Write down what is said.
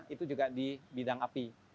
itu juga di bidang api